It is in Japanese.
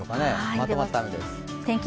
まとまった雨です。